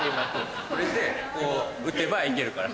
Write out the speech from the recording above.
これでこう打てばいけるから。